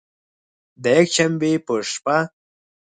د یکشنبې په شپه